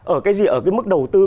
ở cái gì ở cái mức đầu tư